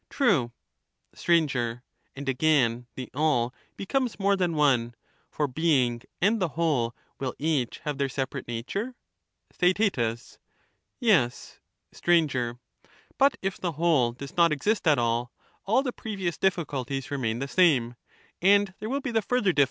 True. Str. And, again, the all becomes more than one, for being and the whole will each have their separate nature. Theaet. Yes. Str. But if the whole does not exist at all, all the previous And if the difficulties remain the same, and there will be the further ><>ie.